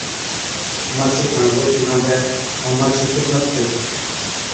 مانڇي ڪاڻ روٽِي رانڌي ائُون مانڇِي خدمت ڪرهي‘۔